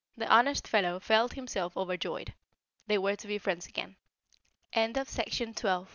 The honest fellow felt himself overjoyed. They were to be friends again. It was quite late whe